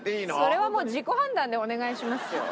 それはもう自己判断でお願いしますよ。